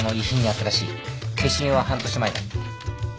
消印は半年前だ。